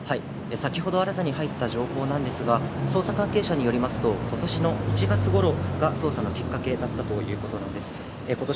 先ほど新たに入った情報なんですが、捜査関係者によりますと、今年の１月頃が捜査のきっかけだったということなんです。